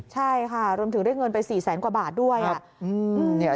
ใช่ค่ะรวมถึงได้เงินไป๔แสนกว่าบาทด้วย